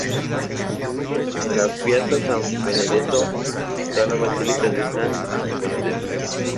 En la Piazza San Benedetto está la basílica de San Benedetto.